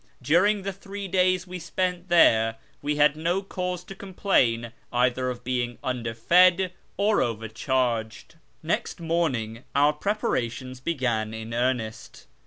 During the three days we spent there we had no cause to complain either of being underfed or overcharged. Next morning our preparations began in earnest.